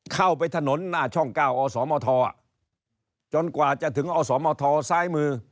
เข้าไปถนนหน้าช่อง๙อสมทจนกว่าจะถึงอสมทซ้ายมือ